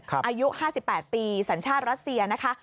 อายุ๕๘ปีสัญชาติรัสเซียนะคะ